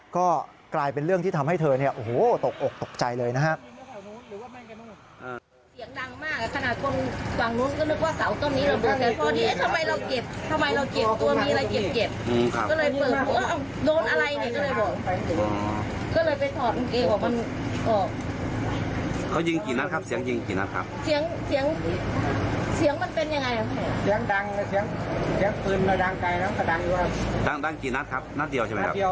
ก็กลายเป็นเรื่องที่ทำให้เธอตกอกตกใจเลย